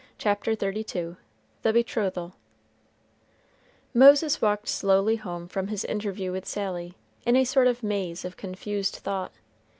CHAPTER XXXII THE BETROTHAL Moses walked slowly home from his interview with Sally, in a sort of maze of confused thought.